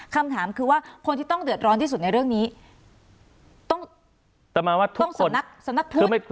คำถามคือว่าคนที่ต้องเดือดร้อนที่สุดในเรื่องนี้ต้องสำนักพุทธ